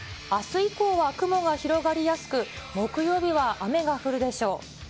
あす以降は雲が広がりやすく、木曜日は雨が降るでしょう。